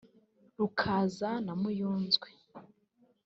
Rukaza na Muyunzwe